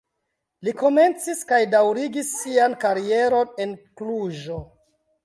Li komencis kaj daŭrigis sian karieron en Kluĵo.